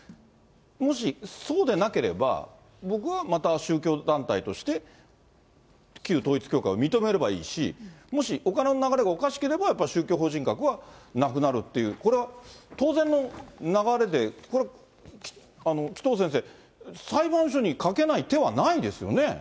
もし、そうでなければ僕はまた宗教団体として、旧統一教会を認めればいいし、もし、お金の流れがおかしければやっぱり宗教法人格はなくなるっていう、これは当然の流れで、これ、紀藤先生、裁判所にかけない手はないですよね。